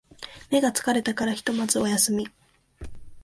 目が疲れたからひとまずお休み